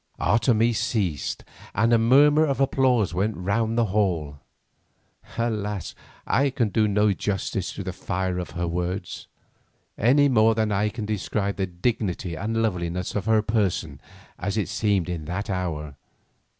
Otomie ceased and a murmur of applause went round the hall. Alas, I can do no justice to the fire of her words, any more than I can describe the dignity and loveliness of her person as it seemed in that hour.